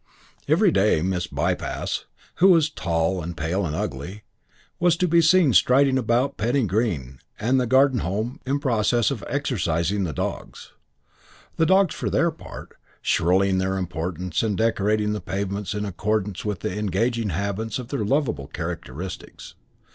Every day Miss Bypass, who was tall and pale and ugly, was to be seen striding about Penny Green and the Garden Home in process of exercising the dogs; the dogs, for their part, shrilling their importance and decorating the pavements in accordance with the engaging habits of their lovable characteristics.